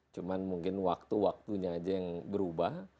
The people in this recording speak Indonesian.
cuma mungkin waktu waktunya aja yang berubah